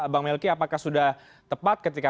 bang melki apakah sudah tepat ketika